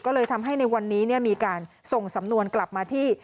ก็เลยทำให้ในวันนี้มีการส่งสำนวนกลับมาที่